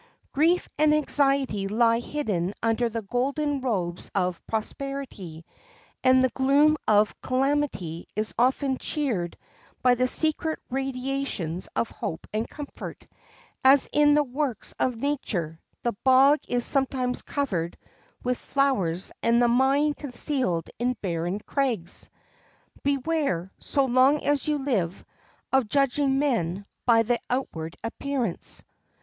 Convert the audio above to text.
Grief and anxiety lie hidden under the golden robes of prosperity, and the gloom of calamity is often cheered by the secret radiations of hope and comfort, as in the works of nature the bog is sometimes covered with flowers and the mine concealed in barren crags. Beware, so long as you live, of judging men by the outward appearance.